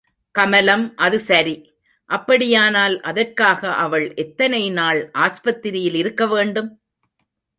கமலம் அது சரி, அப்படியானால் அதற்காக அவள் எத்தனை நாள் ஆஸ்பத்திரியில் இருக்க வேண்டும்?